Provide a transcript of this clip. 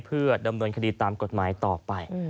เพื่อดำเนินคดีตามกฎหมายต่อไป